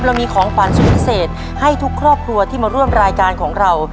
เรามีของขวัญสุดพิเศษให้ทุกครอบครัวที่มาร่วมรายการของเรา